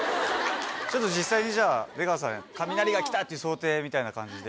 ちょっと実際にじゃあ出川さん雷が来たっていう想定みたいな感じで。